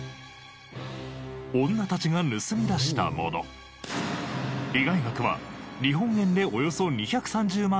女たちが盗み出したもの被害額は日本円でおよそ２３０万円だったそうです。